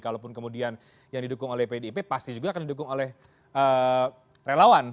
kalaupun kemudian yang didukung oleh pdip pasti juga akan didukung oleh relawan